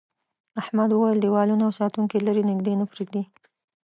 احمد وویل دیوالونه او ساتونکي لري نږدې نه پرېږدي.